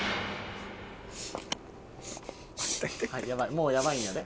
もうやばいんやで。